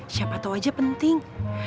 siapa tau aja penting